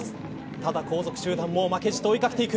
ただ後続集団も負けじと追い掛けていく。